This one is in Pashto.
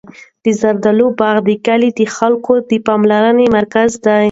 د زردالو باغ د کلي د خلکو د پاملرنې مرکز دی.